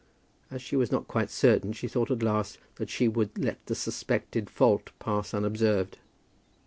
As she was not quite certain, she thought at last that she would let the suspected fault pass unobserved.